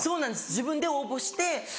自分で応募して。